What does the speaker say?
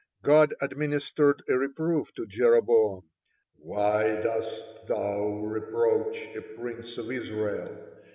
God administered a reproof to Jeroboam; "Why dost thou reproach a prince of Israel?